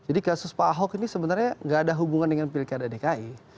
jadi kasus pak ahok ini sebenarnya nggak ada hubungan dengan pilkada dki